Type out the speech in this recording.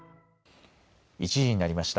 １時になりました。